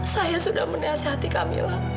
saya sudah meniasi hati kamila